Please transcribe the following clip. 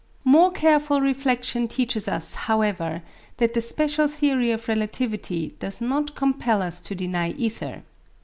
More careful reflection teaches us, however, that the special theory of relativity does not compel us to deny ether.